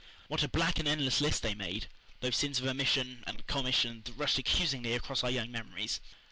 What a black and endless list they made those sins of omission and commission that rushed accusingly across our young memories!